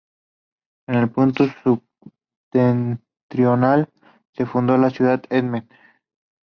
En el punto septentrional, se fundó la ciudad de Emden.